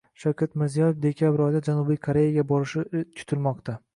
Shavkat Mirziyoyev dekabr oyida Janubiy Koreyaga borishi kutilmoqda